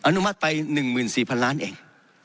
นุมัติไป๑๔๐๐๐ล้านเอง